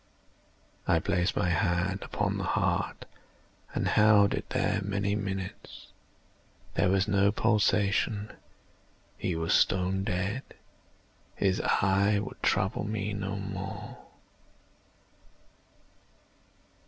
I placed my hand upon the heart and held it there many minutes. There was no pulsation. He was stone dead. His eye would trouble me no more.